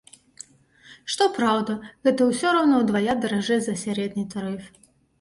Што праўда, гэта ўсё роўна ўдвая даражэй за сярэдні тарыф.